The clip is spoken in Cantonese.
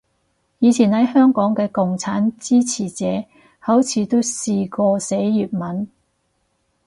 以前喺香港嘅共黨支持者好似都試過寫粵文